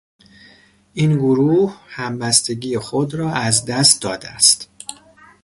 این گروه همبستگی خود را از دست داده است.